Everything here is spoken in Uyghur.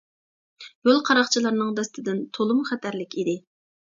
يول قاراقچىلارنىڭ دەستىدىن تولىمۇ خەتەرلىك ئىدى.